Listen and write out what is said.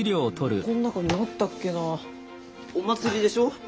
この中にあったっけなお祭りでしょ？